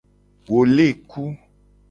Wo le ku.